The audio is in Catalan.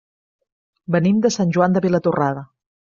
Venim de Sant Joan de Vilatorrada.